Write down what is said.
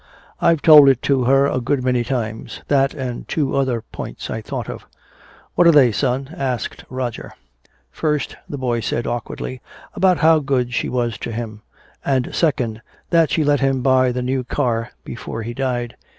"I've told it to her a good many times that and two other points I thought of." "What are they, son?" asked Roger. "First," the boy said awkwardly, "about how good she was to him. And second, that she let him buy the new car before he died.